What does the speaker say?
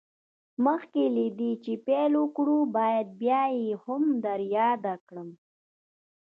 مخکې له دې چې پيل وکړو بايد بيا يې هم در ياده کړم.